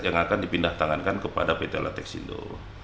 yang akan dipindah tangankan kepada pt latexindo